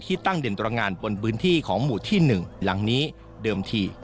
ที่ตั้งเด่นตัวงานบนบื้นที่ของหมู่ที่หนึ่งหลังนี้เดิมที่